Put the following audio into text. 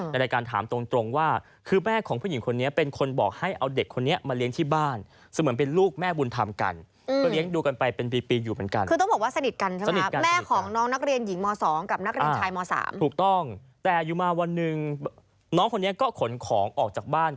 ในรายการถามตรงว่าคือแม่ของผู้หญิงคนนี้เป็นคนบอกให้เอาเด็กนี้มาเลี้ยงที่บ้าน